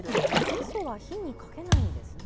みそは火にかけないんですね。